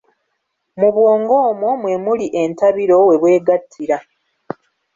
Mu bwongo omwo mwe muli entabiro we bwegattira.